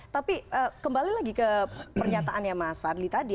tapi kembali lagi ke pernyataan ya mas fadli tadi